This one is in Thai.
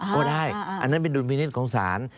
ก็ได้อันนั้นเป็นดุลพินิษฐ์ของศาล